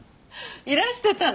いらしてたの？